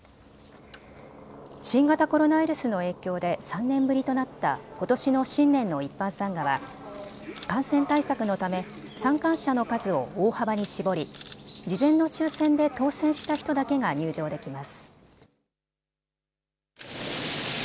新型コロナウイルスの影響で３年ぶりとなったことしの新年の一般参賀は感染対策のため参観者の数を大幅に絞り、事前の抽せんで当せんした人だけが入場できます。